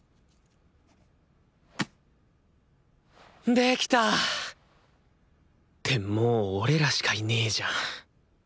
できた！ってもう俺らしかいねじゃん。